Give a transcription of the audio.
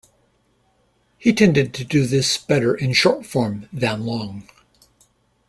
He tended to do this better in short form than long.